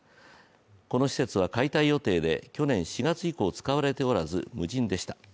この施設は解体予定で去年４月以降、使われておらず、無人でした。